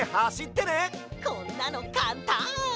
こんなのかんたん！